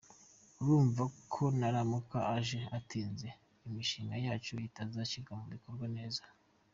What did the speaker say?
Urumva ko naramuka aje atinze imishinga yacu itazashyirwa mu bikorwa neza.